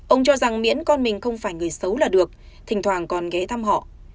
ông cho rằng miễn con mình không phải người xấu là được thỉnh thoảng còn ghé thăm họ